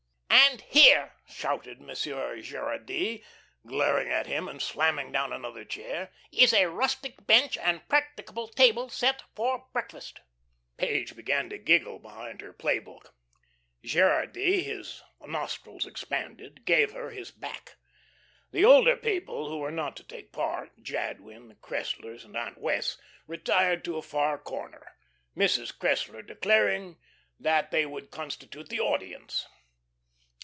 "And here," shouted Monsieur Gerardy, glaring at him and slamming down another chair, "is a rustic bench and practicable table set for breakfast." Page began to giggle behind her play book. Gerardy, his nostrils expanded, gave her his back. The older people, who were not to take part Jadwin, the Cresslers, and Aunt Wess' retired to a far corner, Mrs. Cressler declaring that they would constitute the audience.